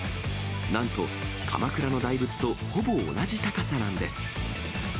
なんと鎌倉の大仏とほぼ同じ高さなんです。